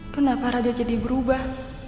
kenapa raditya jadi berubah